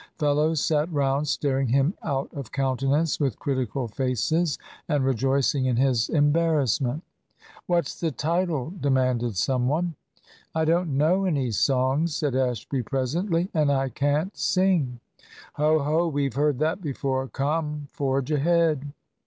Fellows sat round, staring him out of countenance with critical faces, and rejoicing in his embarrassment. "What's the title!" demanded some one. "I don't know any songs," said Ashby presently, "and I can't sing." "Ho, ho! we've heard that before. Come, forge ahead."